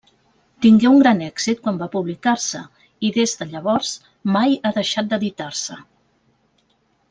Tingué un gran èxit quan va publicar-se i des de llavors mai ha deixat d'editar-se.